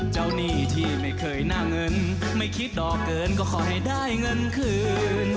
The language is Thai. หนี้ที่ไม่เคยหน้าเงินไม่คิดดอกเกินก็ขอให้ได้เงินคืน